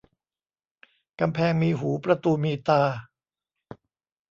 กำแพงมีหูประตูมีตา